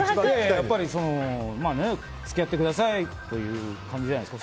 やっぱりその付き合ってくださいという感じじゃないですか。